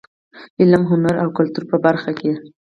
د علم، هنر او کلتور په برخه کې.